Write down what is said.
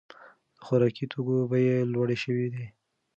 د خوراکي توکو بیې لوړې شوې دي.